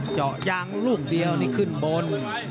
เจาะยางลูกเดียวนี่ขึ้นบน